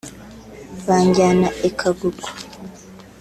banjyana i Kagugu